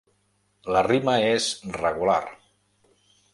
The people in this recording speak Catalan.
La rima és regular.